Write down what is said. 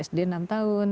sd enam tahun